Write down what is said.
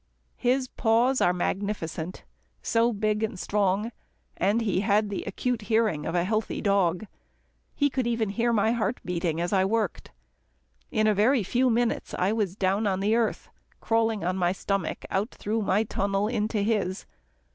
His paws are magnificent so big and strong, and he had the acute hearing of a healthy dog. He could even hear my heart beating as I worked. In a very few minutes, I was down on the earth, crawling on my stomach out through my tunnel into his.